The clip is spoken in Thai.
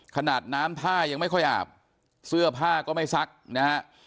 ขนาดน้ำท่ายังไม่ค่อยอาบเสื้อผ้าก็ไม่ซักนะฮะ